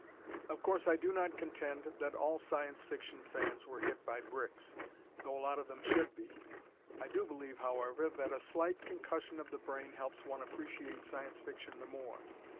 Of course, I do not contend that all Science Fiction fans were hit by bricks, though a lot of them should be. I do believe, however, that a slight concussion of the brain helps one appreciate Science Fiction the more.